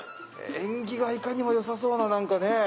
縁起がいかにも良さそうな何かね。